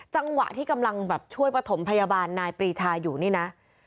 จังหวะที่กำลังแบบช่วยประถมพยาบาลนายปรีชาอยู่นี่นะ